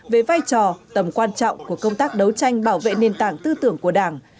về vai trò tầm quan trọng của công tác đấu tranh bảo vệ nền tảng tư tưởng của đảng